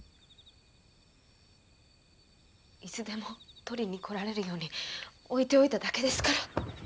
いつでも取りに来られるように置いておいただけですから。